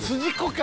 か